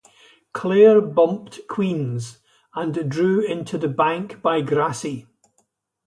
Clare bumped Queens', and drew into the bank by Grassy.